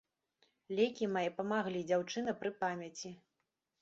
Лекі мае памаглі, дзяўчына пры памяці.